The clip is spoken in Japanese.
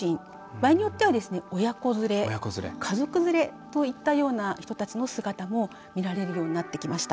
場合によっては親子連れ家族連れといったような人たちの姿も見られるようになってきました。